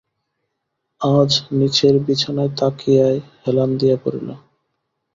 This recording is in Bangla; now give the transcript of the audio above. আজ নীচের বিছানায় তাকিয়ায় হেলান দিয়া পড়িল।